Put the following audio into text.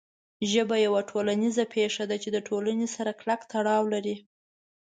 ژبه یوه ټولنیزه پېښه ده چې د ټولنې سره کلک تړاو لري.